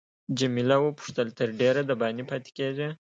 جميله وپوښتل تر ډېره دباندې پاتې کیږې.